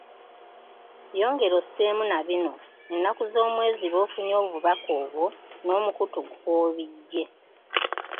Yongera osseeko na bino; ennaku z’omwezi lw’ofunye obubaka obwo n'omukutu kw’obiggye.